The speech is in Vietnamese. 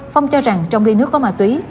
phong cho rằng trong đi nước có ma túy